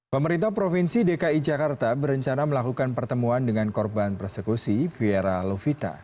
pemerintah provinsi dki jakarta berencana melakukan pertemuan dengan korban persekusi viera lovita